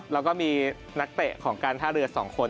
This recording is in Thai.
แล้วก็มีนักเตะของการท่าเรือ๒คน